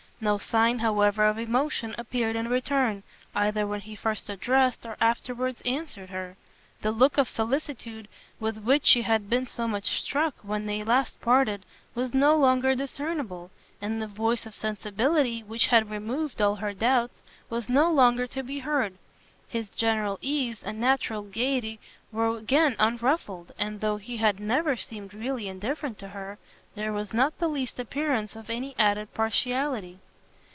No sign, however, of emotion appeared in return, either when he first addressed, or afterwards answered her: the look of solicitude with which she had been so much struck when they last parted was no longer discernible, and the voice of sensibility which had removed all her doubts, was no longer to be heard. His general ease, and natural gaiety were again unruffled, and though he had never seemed really indifferent to her, there was not the least appearance of any added partiality.